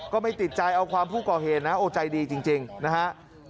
ก็ไม่ติดใจเอาความผู้ก่อเหตุนะโอ้ใจดีจริงนะฮะ